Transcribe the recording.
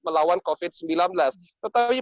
melawan covid sembilan belas tetapi